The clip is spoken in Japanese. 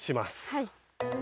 はい。